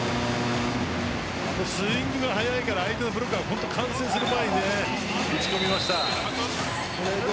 スイングが速いので相手のブロックが完成する前に打ち込みました。